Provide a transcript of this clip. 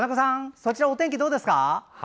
そちらお天気どうですか。